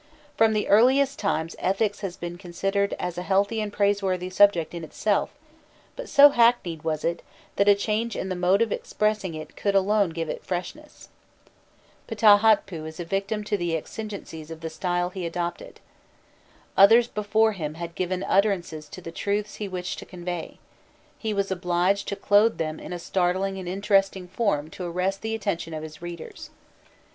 From the very earliest times ethics has been considered as a healthy and praiseworthy subject in itself, but so hackneyed was it, that a change in the mode of expressing it could alone give it freshness. Phtahhotpû is a victim to the exigencies of the style he adopted. Others before him had given utterance to the truths he wished to convey: he was obliged to clothe them in a startling and interesting form to arrest the attention of his readers.